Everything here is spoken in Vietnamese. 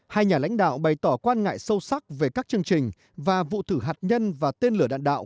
hai nhà lãnh đạo bày tỏ quan ngại sâu sắc về các chương trình và vụ thử hạt nhân và tên lửa đạn đạo